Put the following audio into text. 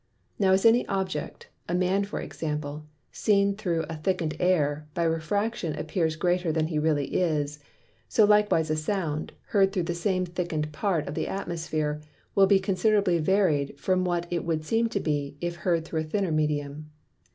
Now as any Object (a Man for example) seen through a thicken'd Air, by Refraction appears greater than really he is: So likewise a Sound, heard through the same thicken'd part of the Atmosphere, will be considerably vary'd from what it would seem to be, if heard through a thinner Medium.